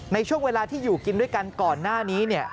ในช่วงเวลาที่อยู่กินด้วยกันก่อนหน้านี้